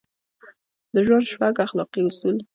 د ژوند شپږ اخلاقي اصول: